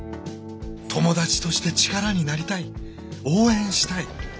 友達として力になりたい応援したい。